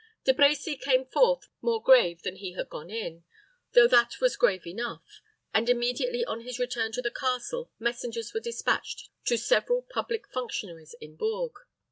De Brecy came forth more grave than he had gone in, though that was grave enough, and immediately on his return to the castle messengers were dispatched to several public functionaries in Bourges.